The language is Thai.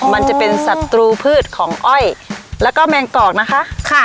มันจะเป็นศัตรูพืชของอ้อยแล้วก็แมงกอกนะคะค่ะ